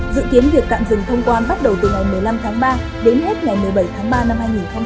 dự kiến việc tạm dừng thông quan bắt đầu từ ngày một mươi năm tháng ba đến hết ngày một mươi bảy tháng ba năm hai nghìn hai mươi